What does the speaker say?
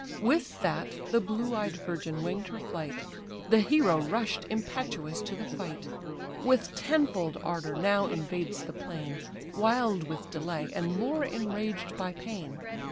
With that, the blue eyed virgin wing'd her flight; The hero rush'd impetuous to the fight; With tenfold ardour now invades the plain, Wild with delay, and more enraged by pain.